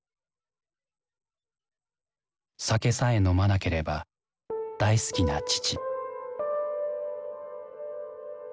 酒さえ飲まなければ大好きな父。